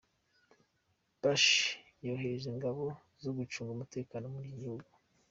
Bush yohereje ingabo , zo gucunga umutekano muri iki gihugu.